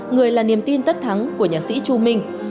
người là niềm tin tất thắng của nhạc sĩ chu minh